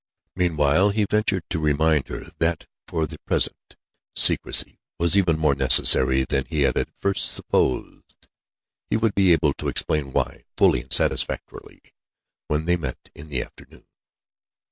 Meanwhile, he ventured to remind her that for the present, secrecy was even more necessary than he had at first supposed; he would be able to explain why, fully and satisfactorily, when they met in the afternoon.